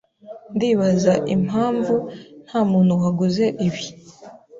Ndibaza impamvu ntamuntu waguze ibi.